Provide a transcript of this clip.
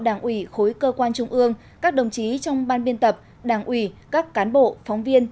đảng ủy khối cơ quan trung ương các đồng chí trong ban biên tập đảng ủy các cán bộ phóng viên